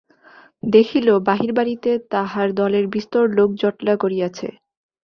দেখিল বাহির-বাড়িতে তাহার দলের বিস্তর লোক জটলা করিয়াছে।